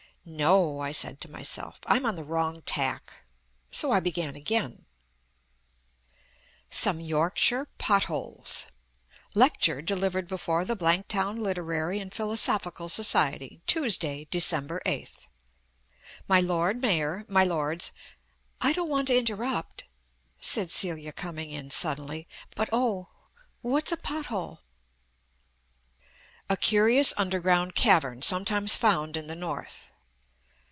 "No," I said to myself, "I'm on the wrong tack." So I began again: "SOME YORKSHIRE POT HOLES "Lecture delivered before the Blanktown Literary and Philosophical Society, Tuesday, December 8th. "My Lord Mayor, my Lords " "I don't want to interrupt," said Celia coming in suddenly, "but oh, what's a pot hole?" "A curious underground cavern sometimes found in the North."